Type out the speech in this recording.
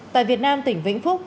tại việt nam tỉnh vĩnh phúc